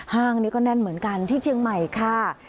ห้างนี้ก็แน่นเหมือนกันที่เชียงใหม่ค่ะ